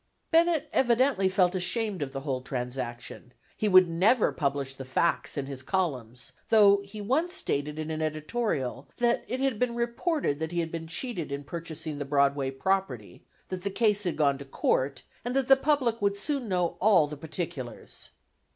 Bennett evidently felt ashamed of the whole transaction; he would never publish the facts in his columns, though he once stated in an editorial that it had been reported that he had been cheated in purchasing the Broadway property; that the case had gone to court, and the public would soon know all the particulars.